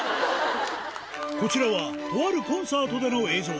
こちらはとあるコンサートでの映像。